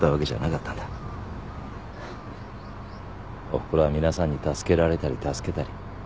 おふくろは皆さんに助けられたり助けたり。